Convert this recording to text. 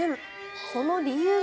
その理由は。